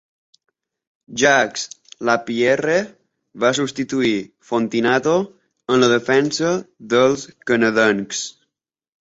Jacques Laperriere va substituir Fontinato en la defensa dels canadencs.